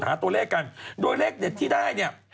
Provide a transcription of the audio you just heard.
ตัวเลขกันโดยเลขที่ได้เนี่ย